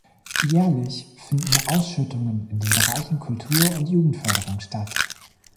Jährlich finden Ausschüttungen in den Bereichen Kultur und Jugendförderung statt.